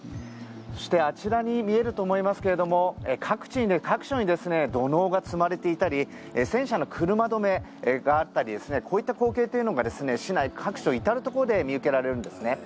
そしてあちらに見えると思いますけども各所に土のうが積まれていたり戦車の車止めがあったりこういった光景というのが市内各所、至るところで見受けられるんですね。